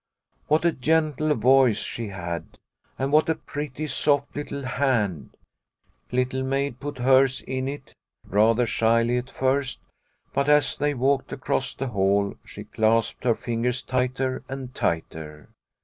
What a gentle voice she had, and what a pretty, soft little hand ! Little Maid put hers in it, rather shyly at first, but as they walked across the hall she clasped her fingers tighter and tighter.